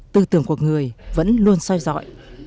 tư tưởng của người vẫn luôn soi dõi